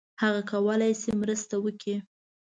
هغه کولای شي مرسته وکړي.